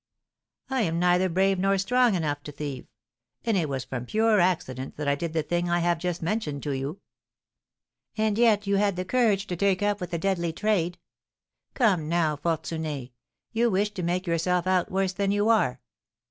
I am neither brave nor strong enough to thieve, and it was from pure accident that I did the thing I have just mentioned to you." "And yet you had the courage to take up with a deadly trade! Come now, Fortuné, you wish to make yourself out worse than you are."